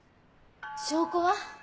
証拠は？